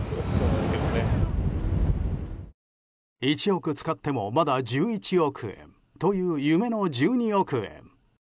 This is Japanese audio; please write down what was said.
１億使ってもまだ１１億円という夢の１２億円。